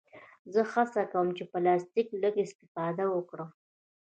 زه هڅه کوم چې له پلاستيکه لږ استفاده وکړم.